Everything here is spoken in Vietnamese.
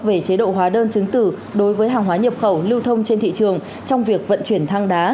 về chế độ hóa đơn chứng tử đối với hàng hóa nhập khẩu lưu thông trên thị trường trong việc vận chuyển than đá